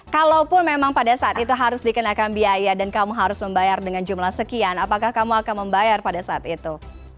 kalaupun memang pada saat itu harus dikenakan biaya dan kamu harus membayar dengan jumlah sekian apakah kamu akan membayar pada saat itu